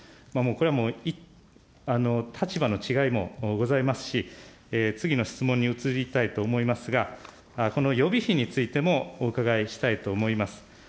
これは立場の違いもございますし、次の質問に移りたいと思いますが、この予備費についてもお伺いしたいと思います。